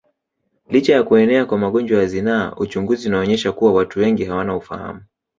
Licha ya kuenea kwa magonjwa ya zinaa uchunguzi unaonyesha kuwa watu wengi hawana ufahamu